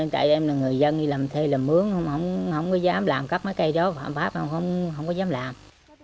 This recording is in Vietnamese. tại em là người dân làm thê làm mướn không có dám làm cắt mấy cây đó không có dám làm